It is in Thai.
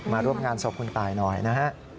มาร่วมงานศพคุณตายหน่อยนะฮะ